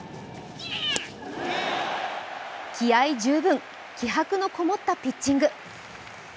気合い十分、気迫のこもったピッチング。